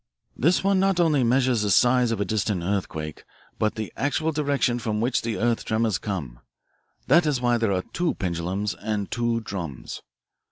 This one not only measures the size of a distant earthquake, but the actual direction from which the earth tremors come. That is why there are two pendulums and two drums.